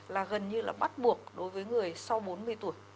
là gần như là bắt buộc đối với người sau bốn mươi tuổi